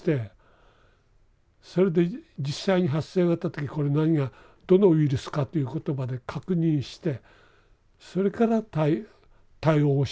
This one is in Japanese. それで実際に発生があった時これ何がどのウイルスかということまで確認してそれから対応してくという。